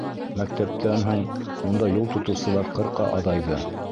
Мәктәптән һуң унда юл тотоусылар ҡырҡа аҙайҙы.